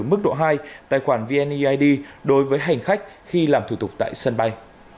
mức độ hai tài khoản vned đối với hành khách khi làm thủ tục tại sân bay